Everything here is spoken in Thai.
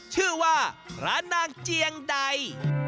ชื่อว่าพระนางเจียงใด